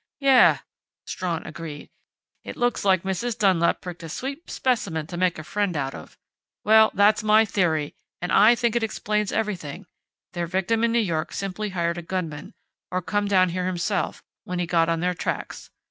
"Yeah," Strawn agreed. "It looks like Mrs. Dunlap picked a sweet specimen to make a friend out of.... Well, that's my theory, and I think it explains everything. Their victim in New York simply hired a gunman, or come down here himself, when he got on their tracks.